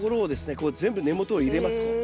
こう全部根元を入れますこう。